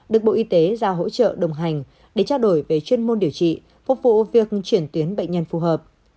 được bộ y tế giao hỗ trợ đồng hành để trao đổi về chuyên môn điều trị phục vụ việc chuyển tuyến bệnh nhân phù hợp